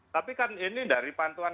tapi kan ini dari pantuan